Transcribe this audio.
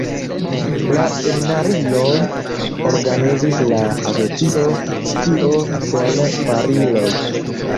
La seminarion organizis la asocio Scio Sen Bariloj.